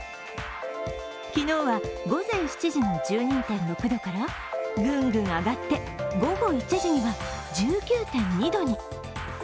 昨日は午前７時の１２．６度からぐんぐん上がって午後１時には１９．２度に。